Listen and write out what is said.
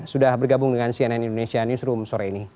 sudah bergabung dengan cnn indonesia newsroom sore ini